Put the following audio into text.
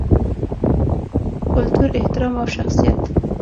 کلتور، احترام او شخصیت